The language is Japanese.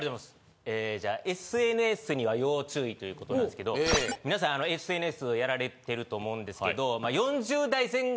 えじゃあＳＮＳには要注意ということなんですけど皆さんＳＮＳをやられてると思うんですけど。